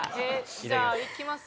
じゃあいきます？